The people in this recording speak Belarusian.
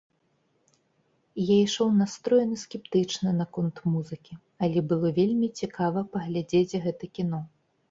Я ішоў настроены скептычна наконт музыкі, але было вельмі цікава паглядзець гэта кіно.